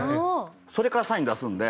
それからサイン出すので。